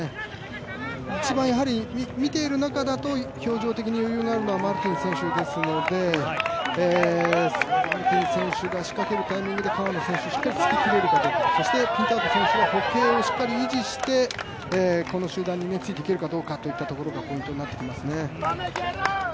一番やはり見ている中だと表情的に余裕があるのはマルティン選手ですので、マルティン選手が仕掛けるタイミングで、川野選手が仕掛けてくるかどうかそしてピンタード選手は歩型をしっかり維持してこの集団について行けるかどうかといったところがポイントになってきますね。